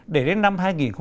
để đến năm hai nghìn hai mươi